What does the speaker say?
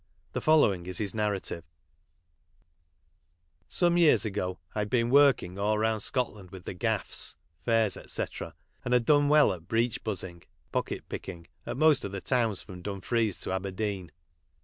The following is his narrativo :—" Some years ago I'd been working all round Scotland with tko gaffs (fairs, &c), and had done well at breech buzzing (pocket picking) at most of the towns from Dumfries to Aberdeen